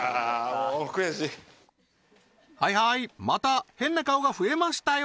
もうはいはいまた変な顔が増えましたよ